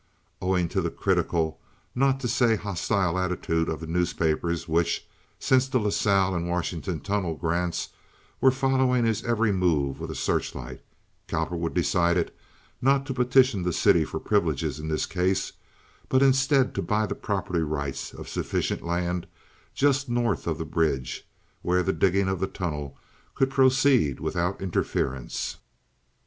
Owing to the critical, not to say hostile, attitude of the newspapers which, since the La Salle and Washington tunnel grants, were following his every move with a searchlight, Cowperwood decided not to petition the city for privileges in this case, but instead to buy the property rights of sufficient land just north of the bridge, where the digging of the tunnel could proceed without interference.